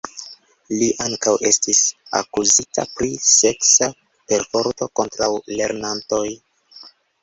Li ankaŭ estis akuzita pri seksa perforto kontraŭ lernantoj.